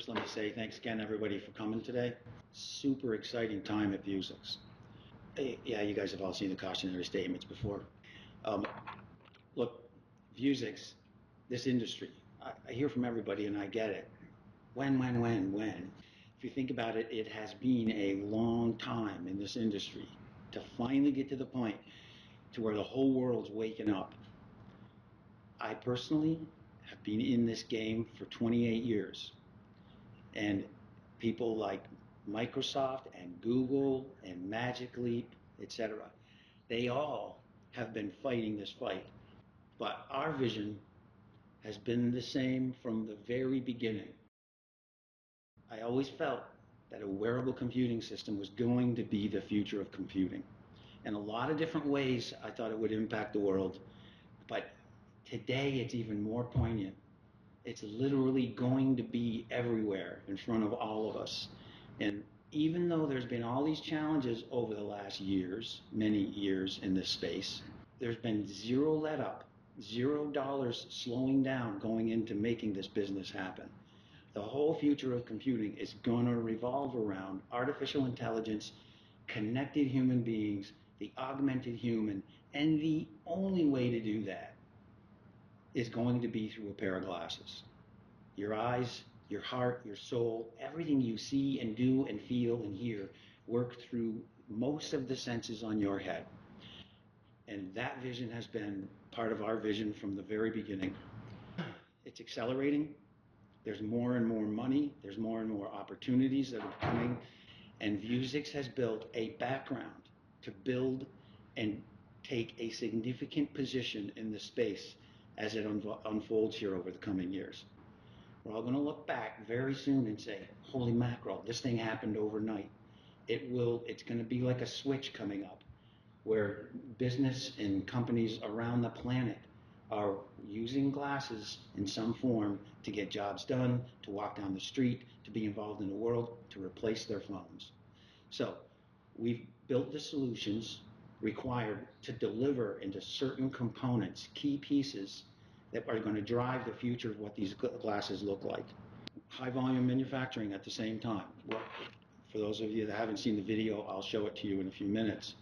First, let me say thanks again, everybody, for coming today. Super exciting time at Vuzix. Yeah, you guys have all seen the cautionary statements before. Look, Vuzix, this industry—I hear from everybody, and I get it—when, when, when? If you think about it, it has been a long time in this industry to finally get to the point to where the whole world's waking up. I personally have been in this game for 28 years, and people like Microsoft and Google and Magic Leap, etc., they all have been fighting this fight. Our vision has been the same from the very beginning. I always felt that a wearable computing system was going to be the future of computing in a lot of different ways. I thought it would impact the world, but today it's even more poignant. It's literally going to be everywhere in front of all of us. Even though there's been all these challenges over the last years, many years in this space, there's been zero let-up, zero dollars slowing down going into making this business happen. The whole future of computing is going to revolve around artificial intelligence, connected human beings, the augmented human, and the only way to do that is going to be through a pair of glasses. Your eyes, your heart, your soul, everything you see and do and feel and hear works through most of the senses on your head. That vision has been part of our vision from the very beginning. It's accelerating. There's more and more money. There's more and more opportunities that are coming. Vuzix has built a background to build and take a significant position in the space as it unfolds here over the coming years. We're all going to look back very soon and say, "Holy mackerel, this thing happened overnight." It will—it's going to be like a switch coming up where business and companies around the planet are using glasses in some form to get jobs done, to walk down the street, to be involved in the world, to replace their phones. We have built the solutions required to deliver into certain components, key pieces that are going to drive the future of what these glasses look like. High-volume manufacturing at the same time. For those of you that haven't seen the video, I'll show it to you in a few minutes.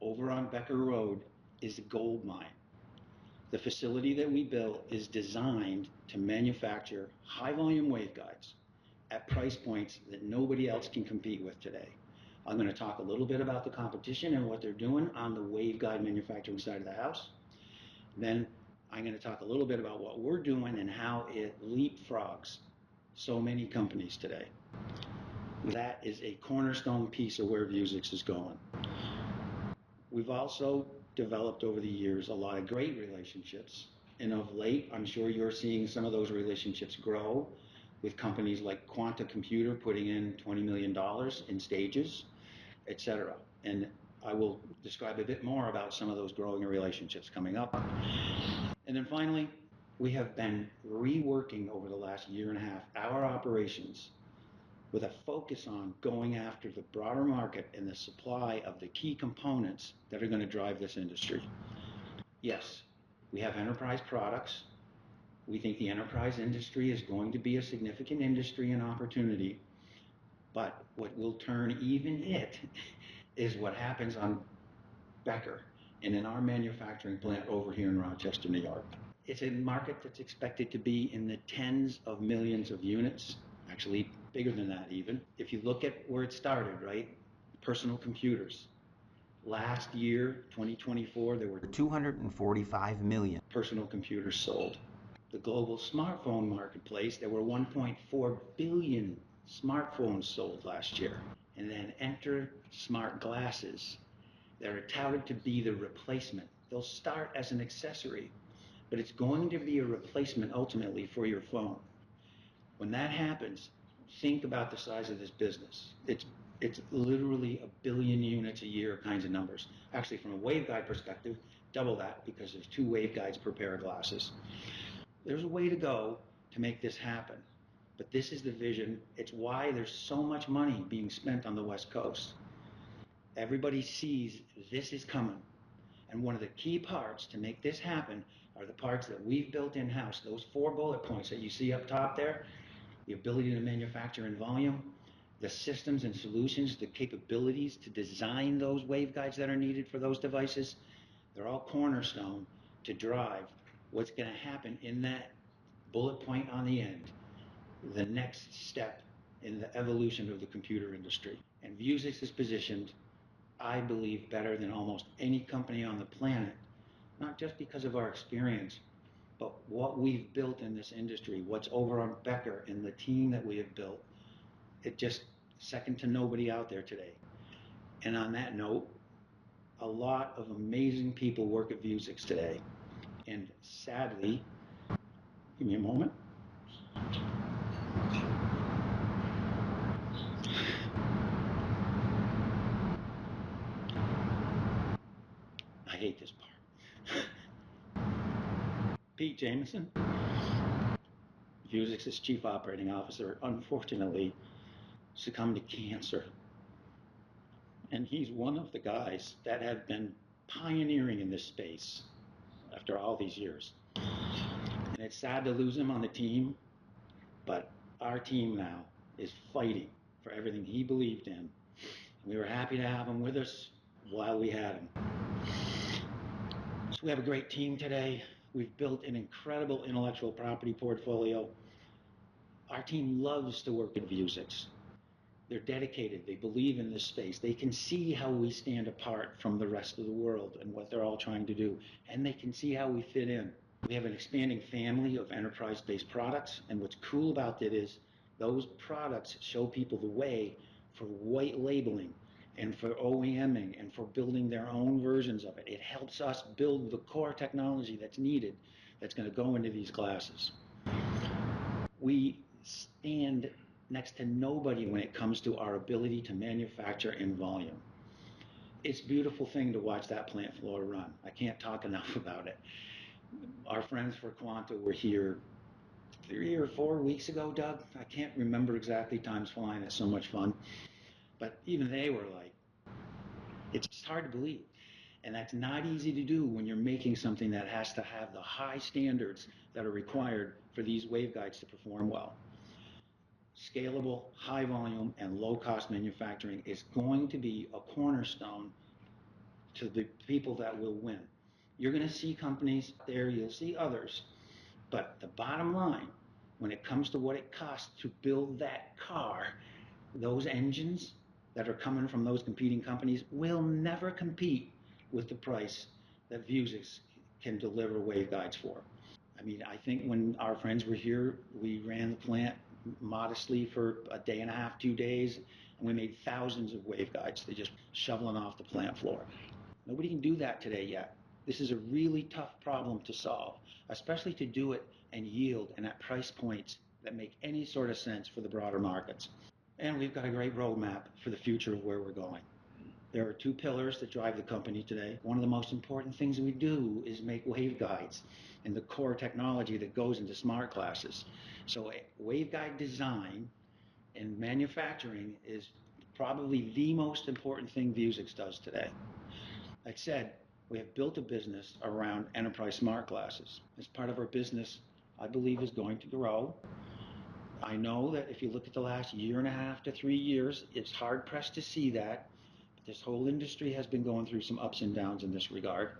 Over on Becker Road is a gold mine. The facility that we built is designed to manufacture high-volume waveguides at price points that nobody else can compete with today. I'm going to talk a little bit about the competition and what they're doing on the waveguide manufacturing side of the house. Then I'm going to talk a little bit about what we're doing and how it leapfrogs so many companies today. That is a cornerstone piece of where Vuzix is going. We've also developed over the years a lot of great relationships. Of late, I'm sure you're seeing some of those relationships grow with companies like Quanta Computer putting in $20 million in stages, etc. I will describe a bit more about some of those growing relationships coming up. Finally, we have been reworking over the last year and a half our operations with a focus on going after the broader market and the supply of the key components that are going to drive this industry. Yes, we have enterprise products. We think the enterprise industry is going to be a significant industry and opportunity. What will turn even it is what happens on Becker and in our manufacturing plant over here in Rochester, New York. It is a market that is expected to be in the tens of millions of units, actually bigger than that even. If you look at where it started, right, personal computers. Last year, 2024, there were 245 million personal computers sold. The global smartphone marketplace, there were 1.4 billion smartphones sold last year. Enter smart glasses that are touted to be the replacement. They'll start as an accessory, but it's going to be a replacement ultimately for your phone. When that happens, think about the size of this business. It's literally a billion units a year kinds of numbers. Actually, from a waveguide perspective, double that because there's two waveguides per pair of glasses. There's a way to go to make this happen, but this is the vision. It's why there's so much money being spent on the West Coast. Everybody sees this is coming. One of the key parts to make this happen are the parts that we've built in-house. Those four bullet points that you see up top there, the ability to manufacture in volume, the systems and solutions, the capabilities to design those waveguides that are needed for those devices, they're all cornerstone to drive what's going to happen in that bullet point on the end, the next step in the evolution of the computer industry. Vuzix is positioned, I believe, better than almost any company on the planet, not just because of our experience, but what we've built in this industry, what's over on Becker Road and the team that we have built, it just second to nobody out there today. On that note, a lot of amazing people work at Vuzix today. Sadly—give me a moment. I hate this part. Pete Jameson, Vuzix's Chief Operating Officer, unfortunately succumbed to cancer. He's one of the guys that have been pioneering in this space after all these years. It's sad to lose him on the team, but our team now is fighting for everything he believed in. We were happy to have him with us while we had him. We have a great team today. We've built an incredible intellectual property portfolio. Our team loves to work at Vuzix. They're dedicated. They believe in this space. They can see how we stand apart from the rest of the world and what they're all trying to do. They can see how we fit in. We have an expanding family of enterprise-based products. What's cool about it is those products show people the way for white labeling and for OEMing and for building their own versions of it. It helps us build the core technology that's needed that's going to go into these glasses. We stand next to nobody when it comes to our ability to manufacture in volume. It's a beautiful thing to watch that plant floor run. I can't talk enough about it. Our friends from Quanta were here three or four weeks ago, Doug. I can't remember exactly. Time's flying. It's so much fun. Even they were like, "It's just hard to believe." That's not easy to do when you're making something that has to have the high standards that are required for these waveguides to perform well. Scalable, high-volume, and low-cost manufacturing is going to be a cornerstone to the people that will win. You're going to see companies there. You'll see others. The bottom line, when it comes to what it costs to build that car, those engines that are coming from those competing companies will never compete with the price that Vuzix can deliver waveguides for. I mean, I think when our friends were here, we ran the plant modestly for a day and a half, two days, and we made thousands of waveguides that just shoveled off the plant floor. Nobody can do that today yet. This is a really tough problem to solve, especially to do it and yield in at price points that make any sort of sense for the broader markets. We've got a great roadmap for the future of where we're going. There are two pillars that drive the company today. One of the most important things we do is make waveguides and the core technology that goes into smart glasses. Waveguide design and manufacturing is probably the most important thing Vuzix does today. That said, we have built a business around enterprise smart glasses. It's part of our business, I believe, is going to grow. I know that if you look at the last year and a half to three years, it's hard-pressed to see that. This whole industry has been going through some ups and downs in this regard.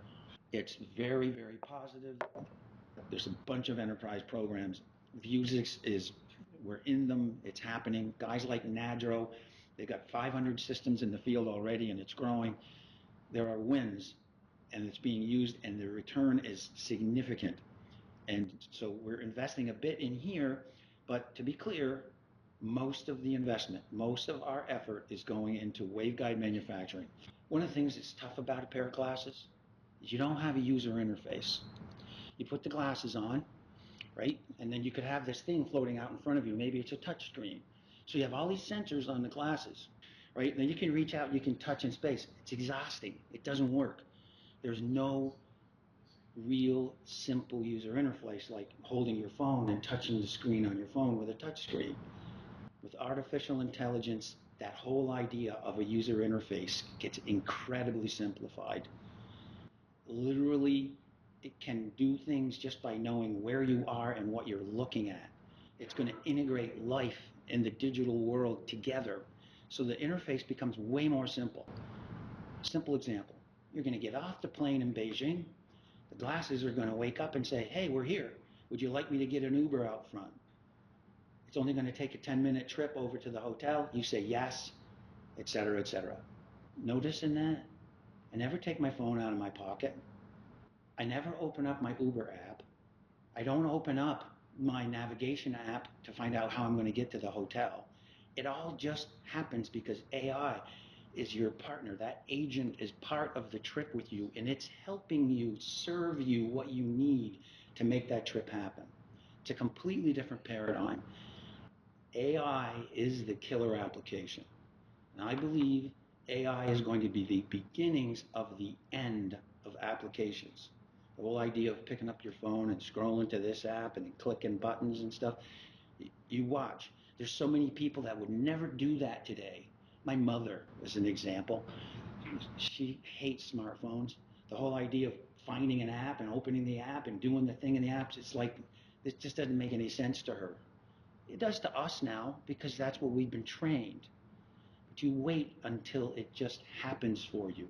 It's very, very positive. There's a bunch of enterprise programs. Vuzix is—we're in them. It's happening. Guys like NADRO, they've got 500 systems in the field already, and it's growing. There are wins, and it's being used, and the return is significant. We're investing a bit in here, but to be clear, most of the investment, most of our effort is going into waveguide manufacturing. One of the things that's tough about a pair of glasses is you don't have a user interface. You put the glasses on, right, and then you could have this thing floating out in front of you. Maybe it's a touchscreen. You have all these sensors on the glasses, right? Then you can reach out, and you can touch in space. It's exhausting. It doesn't work. There's no real simple user interface like holding your phone and touching the screen on your phone with a touchscreen. With artificial intelligence, that whole idea of a user interface gets incredibly simplified. Literally, it can do things just by knowing where you are and what you're looking at. It's going to integrate life in the digital world together. The interface becomes way more simple. Simple example. You're going to get off the plane in Beijing. The glasses are going to wake up and say, "Hey, we're here. Would you like me to get an Uber out front?" It's only going to take a 10-minute trip over to the hotel. You say, "Yes," etc., etc. Noticing that? I never take my phone out of my pocket. I never open up my Uber app. I don't open up my navigation app to find out how I'm going to get to the hotel. It all just happens because AI is your partner. That agent is part of the trip with you, and it's helping you serve you what you need to make that trip happen. It's a completely different paradigm. AI is the killer application. I believe AI is going to be the beginnings of the end of applications. The whole idea of picking up your phone and scrolling to this app and clicking buttons and stuff. You watch. There are so many people that would never do that today. My mother is an example. She hates smartphones. The whole idea of finding an app and opening the app and doing the thing in the app, it is like it just does not make any sense to her. It does to us now because that is what we have been trained to wait until it just happens for you.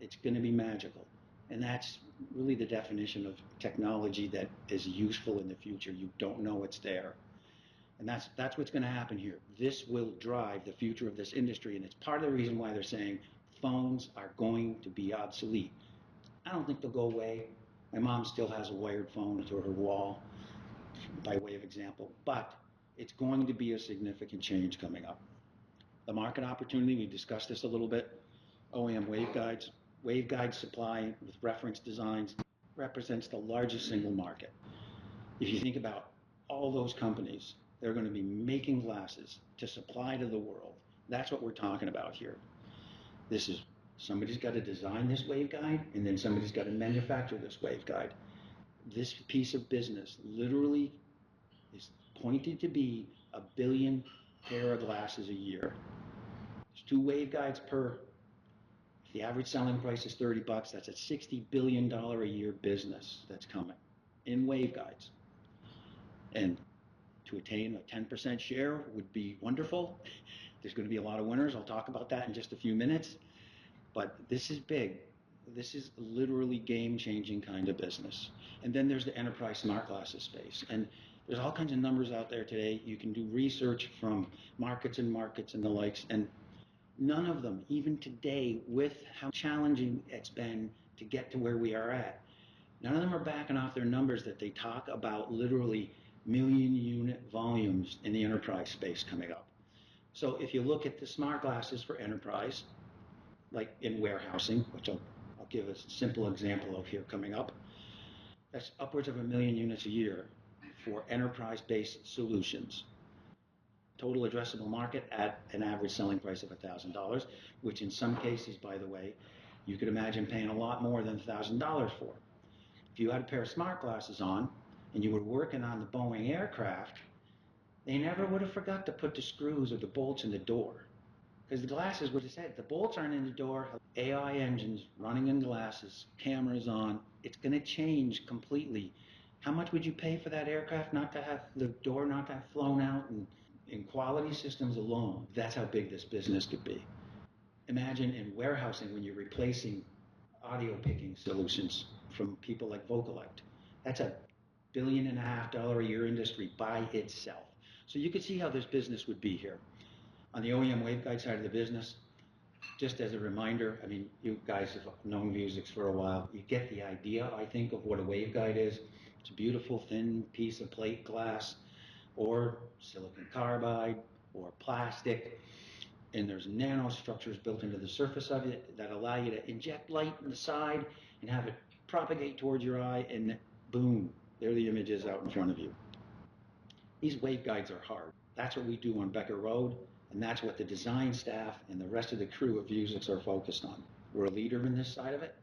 It is going to be magical. That is really the definition of technology that is useful in the future. You do not know it is there. That is what is going to happen here. This will drive the future of this industry. It is part of the reason why they are saying phones are going to be obsolete. I do not think they will go away. My mom still has a wired phone to her wall by way of example. It is going to be a significant change coming up. The market opportunity, we discussed this a little bit. OEM waveguides, waveguide supply with reference designs represents the largest single market. If you think about all those companies, they're going to be making glasses to supply to the world. That's what we're talking about here. This is somebody's got to design this waveguide, and then somebody's got to manufacture this waveguide. This piece of business literally is pointed to be a billion pair of glasses a year. There's two waveguides per. If the average selling price is $30, that's a $60 billion a year business that's coming in waveguides. To attain a 10% share would be wonderful. There's going to be a lot of winners. I'll talk about that in just a few minutes. This is big. This is literally game-changing kind of business. Then there's the enterprise smart glasses space. There are all kinds of numbers out there today. You can do research from Markets and Markets and the likes. None of them, even today, with how challenging it has been to get to where we are at, are backing off their numbers that they talk about—literally million unit volumes in the enterprise space coming up. If you look at the smart glasses for enterprise, like in warehousing, which I will give a simple example of here coming up, that is upwards of a million units a year for enterprise-based solutions. Total addressable market at an average selling price of $1,000, which in some cases, by the way, you could imagine paying a lot more than $1,000 for. If you had a pair of smart glasses on and you were working on the Boeing aircraft, they never would have forgotten to put the screws or the bolts in the door. Because the glasses would have just said, the bolts aren't in the door. AI engines running in glasses, cameras on. It's going to change completely. How much would you pay for that aircraft not to have the door not to have flown out? And in quality systems alone, that's how big this business could be. Imagine in warehousing when you're replacing audio picking solutions from people like Vocollect. That's a $1.5 billion a year industry by itself. You could see how this business would be here. On the OEM waveguide side of the business, just as a reminder, I mean, you guys have known Vuzix for a while. You get the idea, I think, of what a waveguide is. It's a beautiful thin piece of plate glass or silicon carbide or plastic. And there's nano structures built into the surface of it that allow you to inject light in the side and have it propagate towards your eye. Boom, there are the images out in front of you. These waveguides are hard. That's what we do on Becker Road. That's what the design staff and the rest of the crew of Vuzix are focused on. We're a leader in this side of it.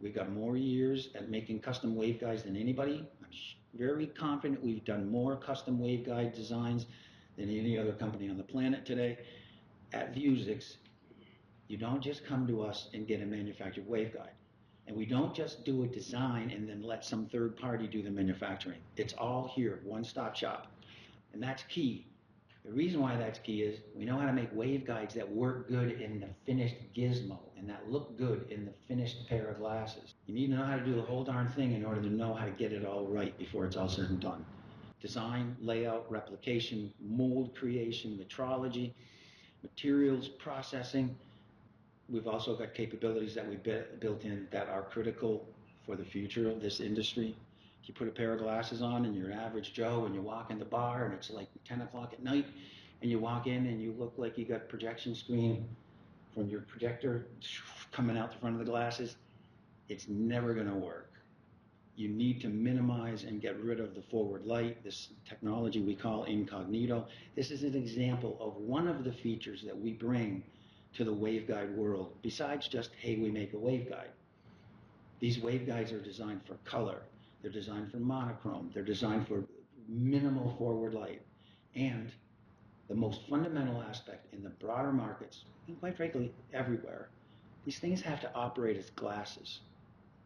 We've got more years at making custom waveguides than anybody. I'm very confident we've done more custom waveguide designs than any other company on the planet today. At Vuzix, you don't just come to us and get a manufactured waveguide. We don't just do a design and then let some third party do the manufacturing. It's all here, one-stop shop. That's key. The reason why that's key is we know how to make waveguides that work good in the finished gizmo and that look good in the finished pair of glasses. You need to know how to do the whole darn thing in order to know how to get it all right before it's all said and done. Design, layout, replication, mold creation, metrology, materials, processing. We've also got capabilities that we've built in that are critical for the future of this industry. You put a pair of glasses on and you're an average Joe and you're walking to the bar and it's like 10 o'clock at night and you walk in and you look like you got a projection screen from your projector coming out the front of the glasses. It's never going to work. You need to minimize and get rid of the forward light, this technology we call Incognito. This is an example of one of the features that we bring to the waveguide world. Besides just, "Hey, we make a waveguide." These waveguides are designed for color. They're designed for monochrome. They're designed for minimal forward light. The most fundamental aspect in the broader markets, and quite frankly, everywhere, these things have to operate as glasses.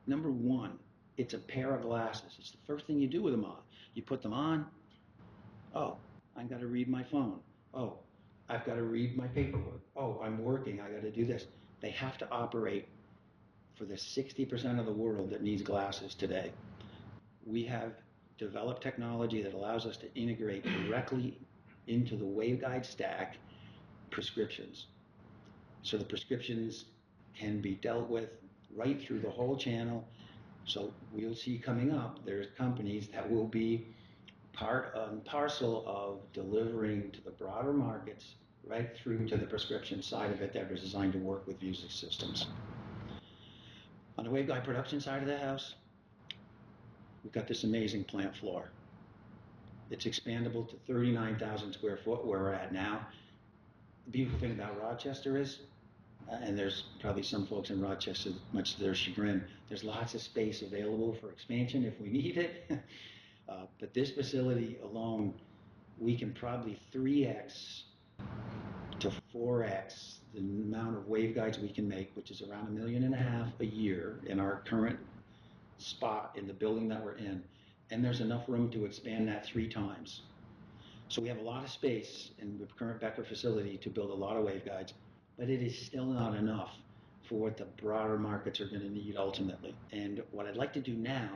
Number one, it's a pair of glasses. It's the first thing you do with them on. You put them on. Oh, I've got to read my phone. Oh, I've got to read my paperwork. Oh, I'm working. I got to do this. They have to operate for the 60% of the world that needs glasses today. We have developed technology that allows us to integrate directly into the waveguide stack prescriptions. So the prescriptions can be dealt with right through the whole channel. We'll see coming up, there are companies that will be part and parcel of delivering to the broader markets right through to the prescription side of it that are designed to work with Vuzix systems. On the waveguide production side of the house, we've got this amazing plant floor. It's expandable to 39,000 sq ft where we're at now. The beautiful thing about Rochester is, and there's probably some folks in Rochester, much to their chagrin, there's lots of space available for expansion if we need it. This facility alone, we can probably 3x to 4x the amount of waveguides we can make, which is around a million and a half a year in our current spot in the building that we're in. There's enough room to expand that three times. We have a lot of space in the current Becker facility to build a lot of waveguides, but it is still not enough for what the broader markets are going to need ultimately. What I'd like to do now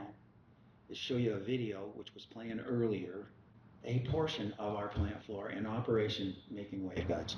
is show you a video which was playing earlier, a portion of our plant floor in operation making waveguides.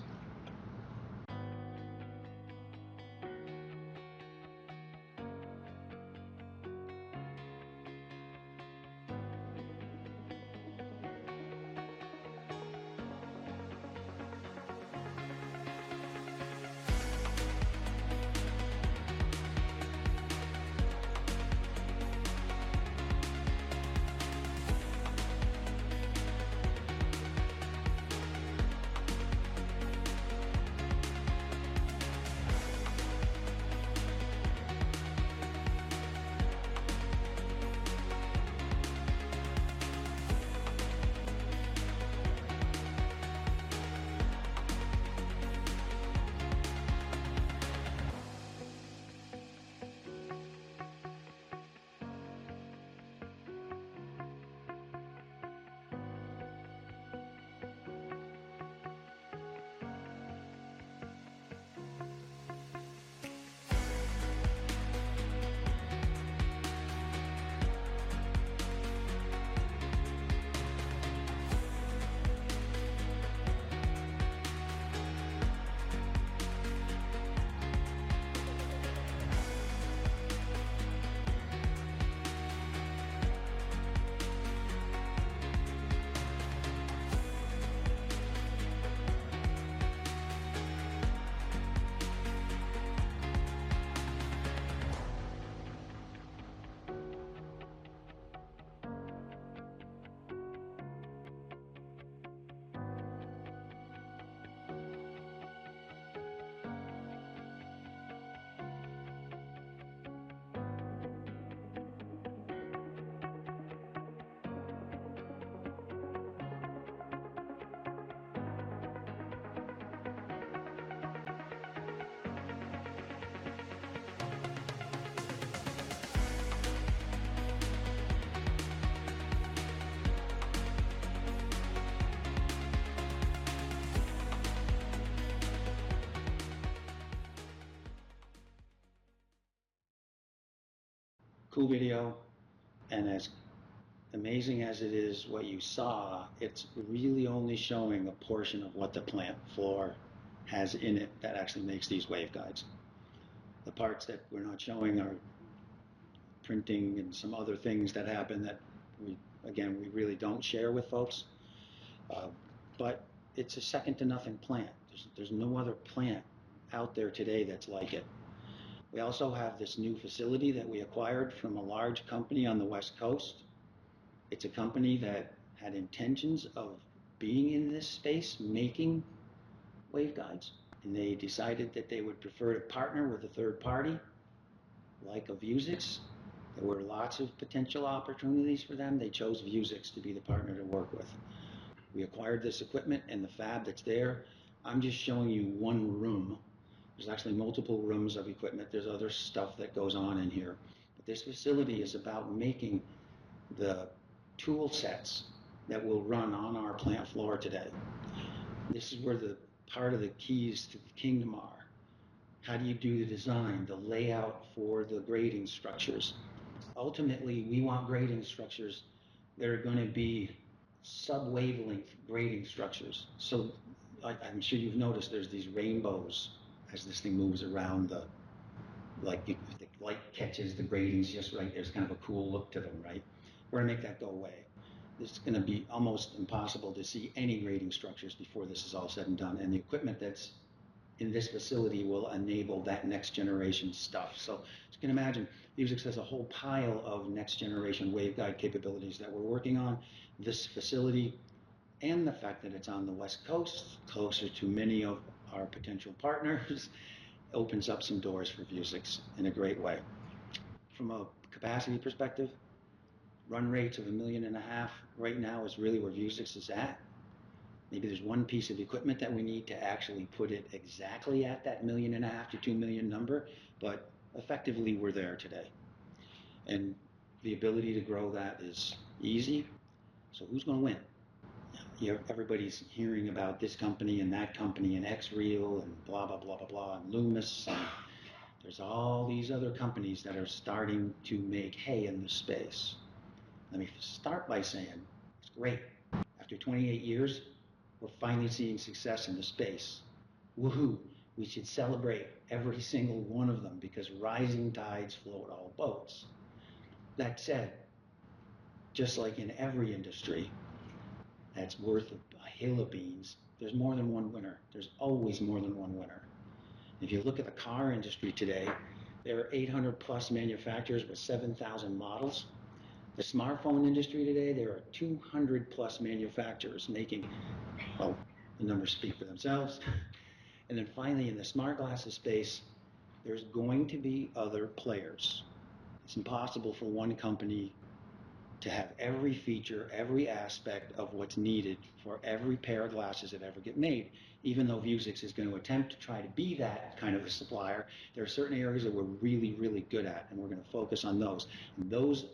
Cool video. As amazing as it is, what you saw, it's really only showing a portion of what the plant floor has in it that actually makes these waveguides. The parts that we're not showing are printing and some other things that happen that, again, we really don't share with folks. It is a second-to-nothing plant. There's no other plant out there today that's like it. We also have this new facility that we acquired from a large company on the West Coast. It's a company that had intentions of being in this space making waveguides. They decided that they would prefer to partner with a third party like a Vuzix. There were lots of potential opportunities for them. They chose Vuzix to be the partner to work with. We acquired this equipment and the fab that's there. I'm just showing you one room. There are actually multiple rooms of equipment. There's other stuff that goes on in here. But this facility is about making the tool sets that will run on our plant floor today. This is where part of the keys to the kingdom are. How do you do the design, the layout for the grating structures? Ultimately, we want grating structures that are going to be subwavelength grating structures. So I'm sure you've noticed there's these rainbows as this thing moves around. The light catches the gratings just right. There's kind of a cool look to them, right? We're going to make that go away. It's going to be almost impossible to see any grating structures before this is all said and done. And the equipment that's in this facility will enable that next-generation stuff. So you can imagine Vuzix has a whole pile of next-generation waveguide capabilities that we're working on. This facility and the fact that it's on the West Coast, closer to many of our potential partners, opens up some doors for Vuzix in a great way. From a capacity perspective, run rates of a million and a half right now is really where Vuzix is at. Maybe there's one piece of equipment that we need to actually put it exactly at that million and a half to two million number, but effectively, we're there today. The ability to grow that is easy. Who's going to win? Everybody's hearing about this company and that company and XREAL and blah, blah, blah, blah, blah, and LUMUS. There are all these other companies that are starting to make hay in this space. Let me start by saying it's great. After 28 years, we're finally seeing success in the space. Woohoo. We should celebrate every single one of them because rising tides float all boats. That said, just like in every industry that's worth a hill of beans, there's more than one winner. There's always more than one winner. If you look at the car industry today, there are 800+ manufacturers with 7,000 models. The smartphone industry today, there are 200+ manufacturers making. Well, the numbers speak for themselves. Finally, in the smart glasses space, there's going to be other players. It's impossible for one company to have every feature, every aspect of what's needed for every pair of glasses that ever get made. Even though Vuzix is going to attempt to try to be that kind of a supplier, there are certain areas that we're really, really good at, and we're going to focus on those. Those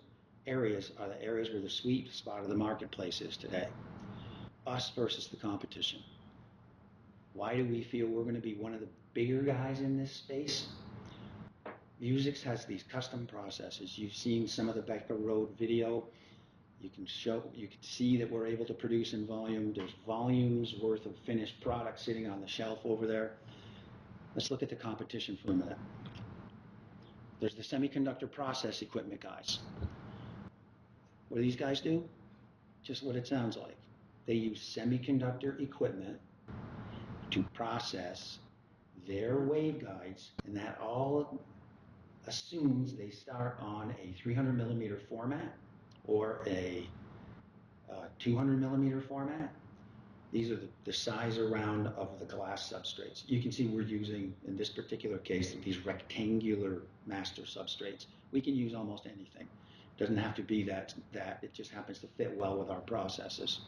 areas are the areas where the sweet spot of the marketplace is today. Us versus the competition. Why do we feel we're going to be one of the bigger guys in this space? Vuzix has these custom processes. You've seen some of the Becker Road video. You can see that we're able to produce in volume. There's volumes worth of finished products sitting on the shelf over there. Let's look at the competition for a minute. There's the semiconductor process equipment guys. What do these guys do? Just what it sounds like. They use semiconductor equipment to process their waveguides, and that all assumes they start on a 300 mm format or a 200 mm format. These are the size around of the glass substrates. You can see we're using, in this particular case, these rectangular master substrates. We can use almost anything. It doesn't have to be that. It just happens to fit well with our processes.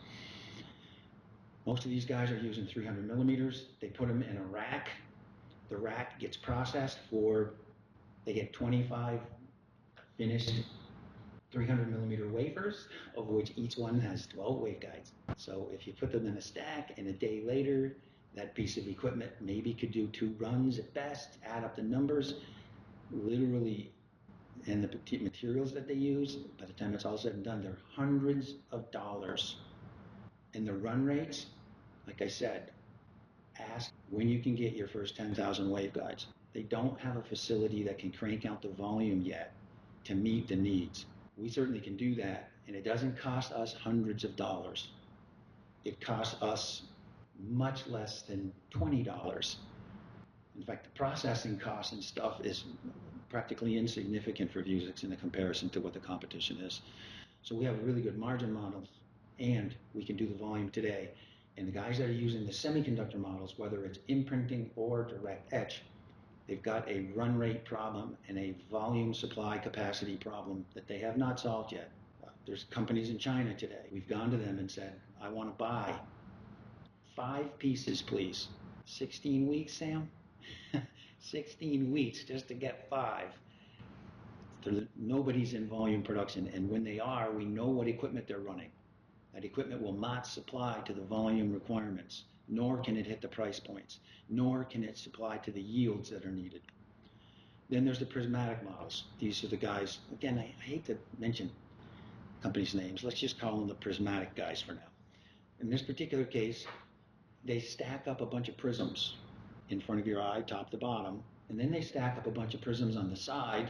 Most of these guys are using 300 mm. They put them in a rack. The rack gets processed for they get 25 finished 300 mm wafers, of which each one has 12 waveguides. If you put them in a stack and a day later, that piece of equipment maybe could do two runs at best, add up the numbers. Literally, in the materials that they use, by the time it's all said and done, there are hundreds of dollars. The run rates, like I said, ask when you can get your first 10,000 waveguides. They do not have a facility that can crank out the volume yet to meet the needs. We certainly can do that, and it does not cost us hundreds of dollars. It costs us much less than $20. In fact, the processing cost and stuff is practically insignificant for Vuzix in comparison to what the competition is. We have really good margin models, and we can do the volume today. The guys that are using the semiconductor models, whether it's imprinting or direct etch, they've got a run rate problem and a volume supply capacity problem that they have not solved yet. There are companies in China today. We've gone to them and said, "I want to buy five pieces, please." "16 weeks, Sam?" "16 weeks just to get five." Nobody's in volume production. When they are, we know what equipment they're running. That equipment will not supply to the volume requirements, nor can it hit the price points, nor can it supply to the yields that are needed. There are the Prismatic models. These are the guys. Again, I hate to mention companies' names. Let's just call them the prismatic guys for now. In this particular case, they stack up a bunch of prisms in front of your eye, top to bottom, and then they stack up a bunch of prisms on the side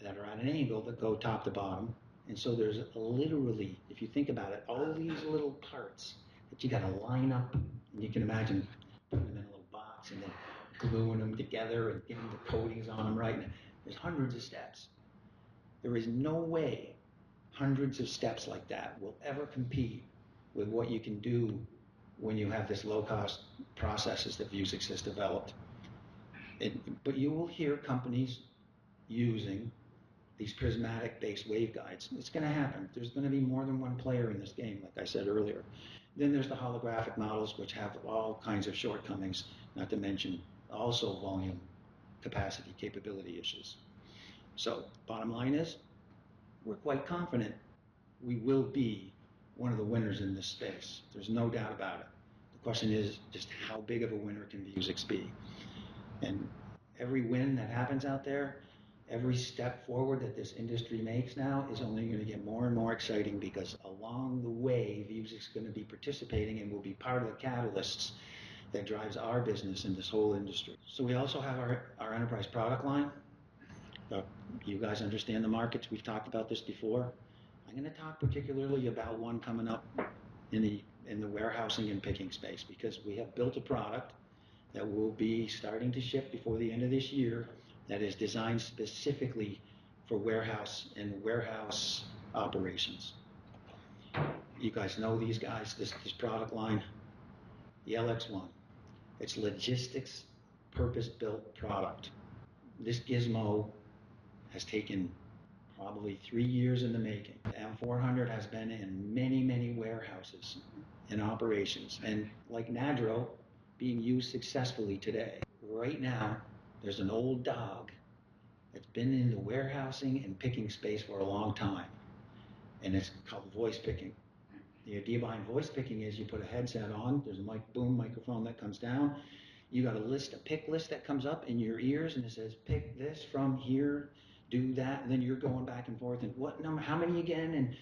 that are at an angle that go top to bottom. There is literally, if you think about it, all these little parts that you got to line up. You can imagine putting them in a little box and then gluing them together and getting the coatings on them right. There are hundreds of steps. There is no way hundreds of steps like that will ever compete with what you can do when you have these low-cost processes that Vuzix has developed. You will hear companies using these prismatic-based waveguides. It's going to happen. There is going to be more than one player in this game, like I said earlier. There are the Holographic models, which have all kinds of shortcomings, not to mention also volume capacity capability issues. Bottom line is we're quite confident we will be one of the winners in this space. There's no doubt about it. The question is just how big of a winner can Vuzix be? Every win that happens out there, every step forward that this industry makes now is only going to get more and more exciting because along the way, Vuzix is going to be participating and will be part of the catalysts that drives our business in this whole industry. We also have our enterprise product line. You guys understand the markets. We've talked about this before. I'm going to talk particularly about one coming up in the warehousing and picking space because we have built a product that will be starting to ship before the end of this year that is designed specifically for warehouse and warehouse operations. You guys know these guys, this product line, the LX1. It's logistics purpose-built product. This Gizmo has taken probably three years in the making. The M400 has been in many, many warehouses and operations and, like NADRO, being used successfully today. Right now, there's an old dog that's been in the warehousing and picking space for a long time, and it's called voice picking. The idea behind voice picking is you put a headset on. There's a boom microphone that comes down. You got a list, a pick list that comes up in your ears, and it says, "Pick this from here, do that," and then you're going back and forth. What number? How many again?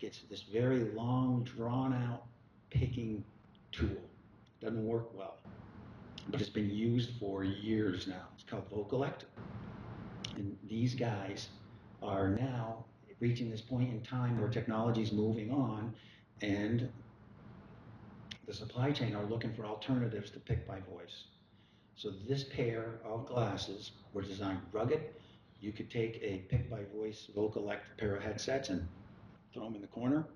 It's this very long, drawn-out picking tool. Doesn't work well. It's been used for years now. It's called Vocollect. These guys are now reaching this point in time where technology is moving on, and the supply chain are looking for alternatives to pick by voice. This pair of glasses was designed rugged. You could take a pick-by-voice Vocollect pair of headsets and throw them in the corner.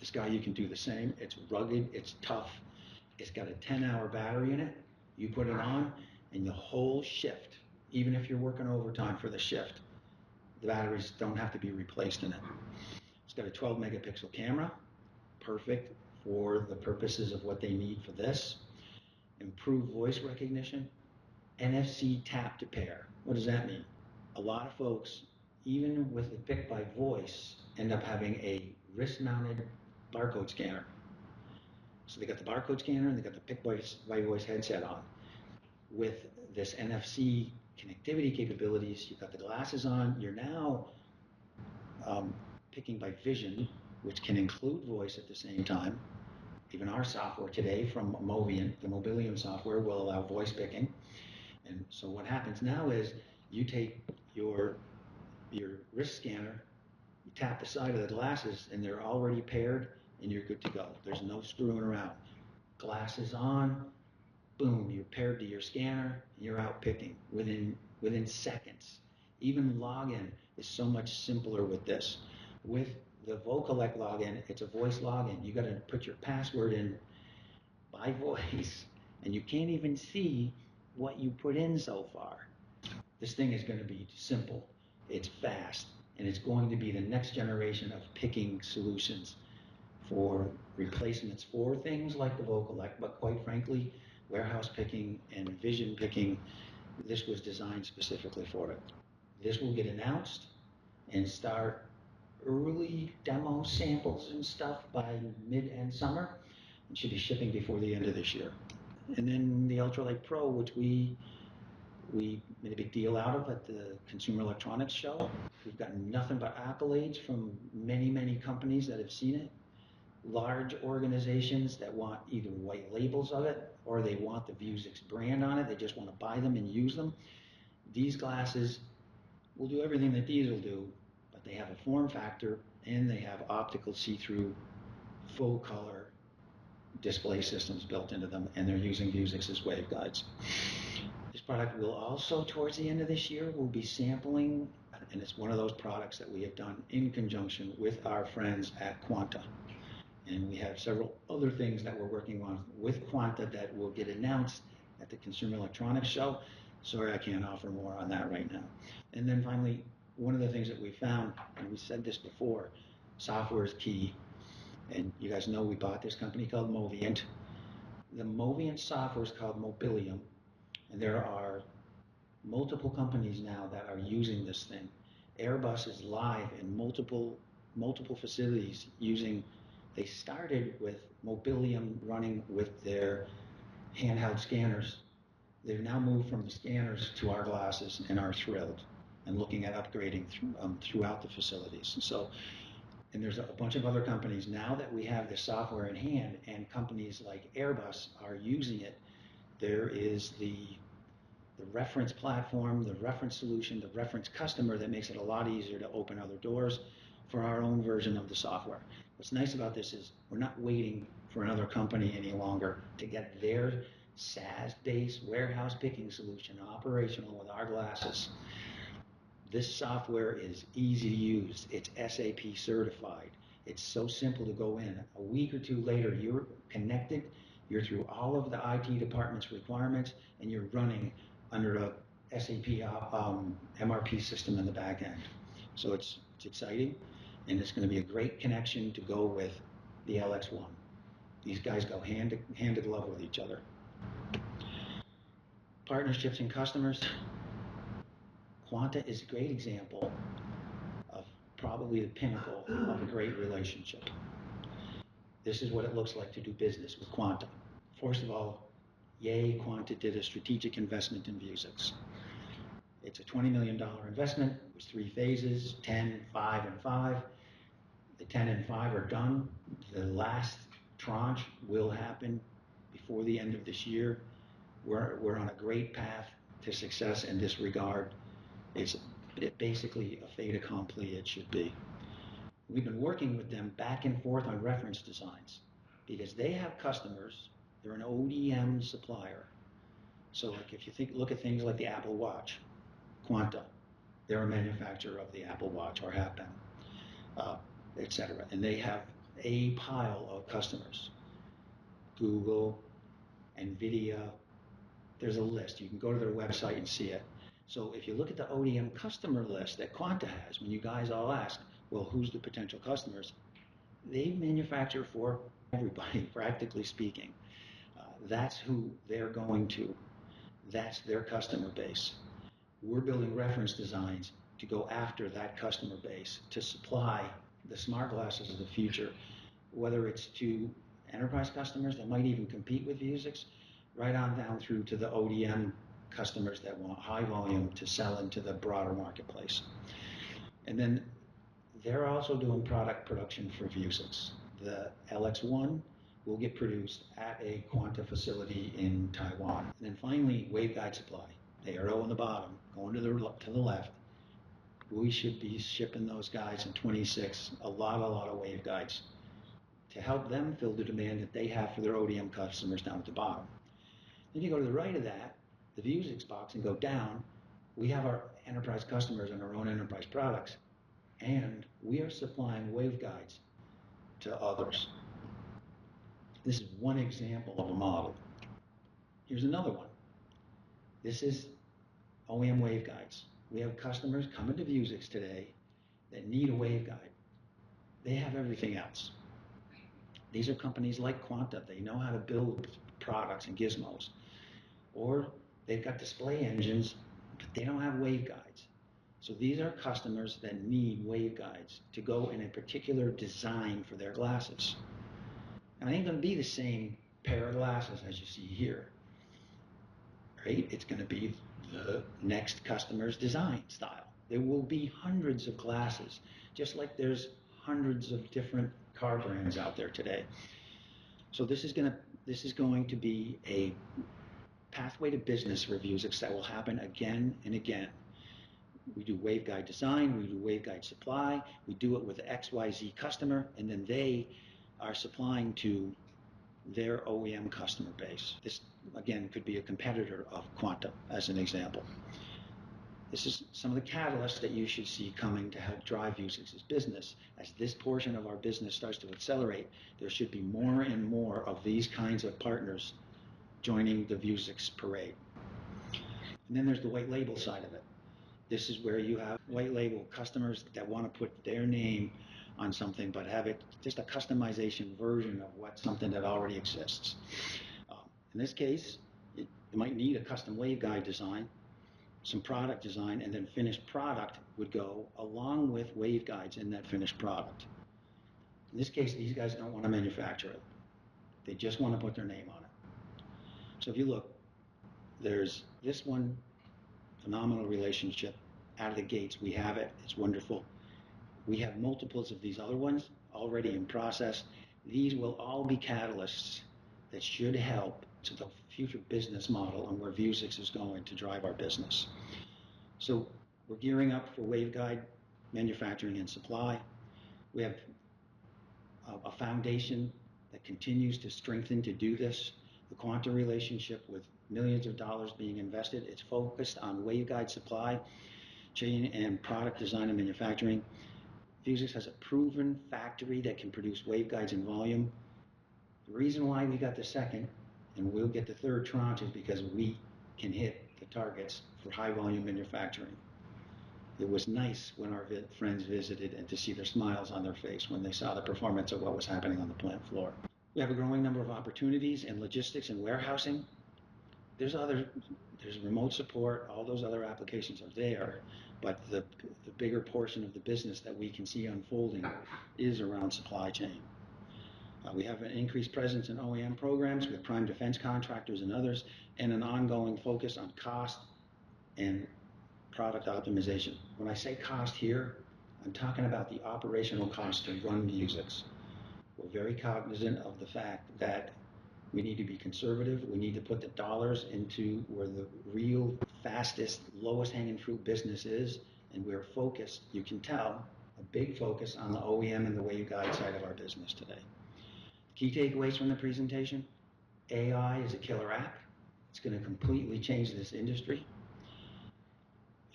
This guy, you can do the same. It's rugged. It's tough. It's got a 10-hour battery in it. You put it on, and the whole shift, even if you're working overtime for the shift, the batteries don't have to be replaced in it. It's got a 12-megapixel camera, perfect for the purposes of what they need for this: improved voice recognition, NFC tap-to-pair. What does that mean? A lot of folks, even with the pick-by-voice, end up having a wrist-mounted barcode scanner. So they got the barcode scanner, and they got the pick-by-voice headset on. With this NFC connectivity capabilities, you've got the glasses on. You're now picking by vision, which can include voice at the same time. Even our software today from Mobian, the Mobilium software, will allow voice picking. And so what happens now is you take your wrist scanner, you tap the side of the glasses, and they're already paired, and you're good to go. There's no screwing around. Glasses on, boom, you're paired to your scanner, and you're out picking within seconds. Even login is so much simpler with this. With the Vocollect login, it's a voice login. You got to put your password in by voice, and you can't even see what you put in so far. This thing is going to be simple. It's fast, and it's going to be the next generation of picking solutions for replacements for things like the Vocollect. Quite frankly, warehouse picking and vision picking, this was designed specifically for it. This will get announced and start early demo samples and stuff by mid and summer. It should be shipping before the end of this year. The Ultralite Pro, which we made a big deal out of at the Consumer Electronics Show, we've gotten nothing but accolades from many, many companies that have seen it. Large organizations that want either white labels of it or they want the Vuzix brand on it. They just want to buy them and use them. These glasses will do everything that these will do, but they have a form factor, and they have optical see-through full-color display systems built into them, and they're using Vuzix's waveguides. This product will also, towards the end of this year, we'll be sampling, and it's one of those products that we have done in conjunction with our friends at Quanta. We have several other things that we're working on with Quanta that will get announced at the Consumer Electronics Show. Sorry, I can't offer more on that right now. Finally, one of the things that we found, and we said this before, software is key. You guys know we bought this company called Moviynt. The Moviynt software is called Mobilium, and there are multiple companies now that are using this thing. Airbus is live in multiple facilities using—they started with Mobilium running with their handheld scanners. They've now moved from the scanners to our glasses and are thrilled and looking at upgrading throughout the facilities. There are a bunch of other companies now that we have this software in hand, and companies like Airbus are using it. There is the reference platform, the reference solution, the reference customer that makes it a lot easier to open other doors for our own version of the software. What's nice about this is we're not waiting for another company any longer to get their SaaS-based warehouse picking solution operational with our glasses. This software is easy to use. It's SAP certified. It's so simple to go in. A week or two later, you're connected. You're through all of the IT department's requirements, and you're running under an SAP MRP system in the back end. It's exciting, and it's going to be a great connection to go with the LX1. These guys go hand in glove with each other. Partnerships and customers. Quanta is a great example of probably the pinnacle of a great relationship. This is what it looks like to do business with Quanta. First of all, yay Quanta did a strategic investment in Vuzix. It's a $20 million investment. It was three phases: 10, 5, and 5. The 10 and 5 are done. The last tranche will happen before the end of this year. We're on a great path to success in this regard. It's basically a fait accompli it should be. We've been working with them back and forth on reference designs because they have customers. They're an OEM supplier. If you look at things like the Apple Watch, Quanta, they're a manufacturer of the Apple Watch or happened, etc. They have a pile of customers: Google, NVIDIA. There's a list. You can go to their website and see it. If you look at the OEM customer list that Quanta has, when you guys all ask, "Well, who's the potential customers?" They manufacture for everybody, practically speaking. That's who they're going to. That's their customer base. We're building reference designs to go after that customer base to supply the smart glasses of the future, whether it's to enterprise customers that might even compete with Vuzix, right on down through to the OEM customers that want high volume to sell into the broader marketplace. They're also doing product production for Vuzix. The LX1 will get produced at a Quanta facility in Taiwan. Finally, waveguide supply. They are all in the bottom, going to the left. We should be shipping those guys in 2026, a lot, a lot of waveguides to help them fill the demand that they have for their OEM customers down at the bottom. You go to the right of that, the Vuzix box, and go down. We have our enterprise customers and our own enterprise products, and we are supplying waveguides to others. This is one example of a model. Here's another one. This is OEM waveguides. We have customers coming to Vuzix today that need a waveguide. They have everything else. These are companies like Quanta. They know how to build products and Gizmos, or they've got display engines, but they do not have waveguides. These are customers that need waveguides to go in a particular design for their glasses. I ain't going to be the same pair of glasses as you see here, right? It's going to be the next customer's design style. There will be hundreds of glasses, just like there's hundreds of different car brands out there today. This is going to be a pathway to business for Vuzix that will happen again and again. We do waveguide design. We do waveguide supply. We do it with XYZ customer, and then they are supplying to their OEM customer base. This, again, could be a competitor of Quanta, as an example. This is some of the catalysts that you should see coming to help drive Vuzix's business. As this portion of our business starts to accelerate, there should be more and more of these kinds of partners joining the Vuzix parade. There is the white label side of it. This is where you have white label customers that want to put their name on something but have it just a customization version of something that already exists. In this case, you might need a custom waveguide design, some product design, and then finished product would go along with waveguides in that finished product. In this case, these guys do not want to manufacture it. They just want to put their name on it. If you look, there is this one, phenomenal relationship out of the gates. We have it. It is wonderful. We have multiples of these other ones already in process. These will all be catalysts that should help to the future business model and where Vuzix is going to drive our business. We are gearing up for waveguide manufacturing and supply. We have a foundation that continues to strengthen to do this. The Quanta relationship with millions of dollars being invested. It's focused on waveguide supply, chain, and product design and manufacturing. Vuzix has a proven factory that can produce waveguides in volume. The reason why we got the second and we'll get the third tranche is because we can hit the targets for high volume manufacturing. It was nice when our friends visited and to see their smiles on their face when they saw the performance of what was happening on the plant floor. We have a growing number of opportunities in logistics and warehousing. There's remote support. All those other applications are there, but the bigger portion of the business that we can see unfolding is around supply chain. We have an increased presence in OEM programs with prime defense contractors and others and an ongoing focus on cost and product optimization. When I say cost here, I'm talking about the operational cost to run Vuzix. We're very cognizant of the fact that we need to be conservative. We need to put the dollars into where the real fastest, lowest hanging fruit business is, and we're focused, you can tell, a big focus on the OEM and the waveguide side of our business today. Key takeaways from the presentation: AI is a killer app. It's going to completely change this industry.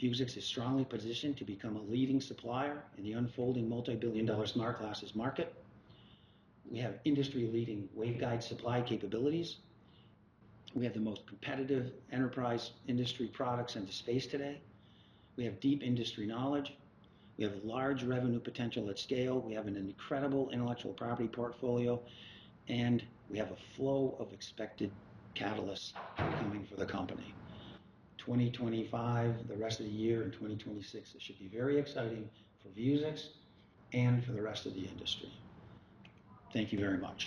Vuzix is strongly positioned to become a leading supplier in the unfolding multi-billion dollar smart glasses market. We have industry-leading waveguide supply capabilities. We have the most competitive enterprise industry products in the space today. We have deep industry knowledge. We have large revenue potential at scale. We have an incredible intellectual property portfolio, and we have a flow of expected catalysts coming for the company. 2025, the rest of the year in 2026, it should be very exciting for Vuzix and for the rest of the industry. Thank you very much.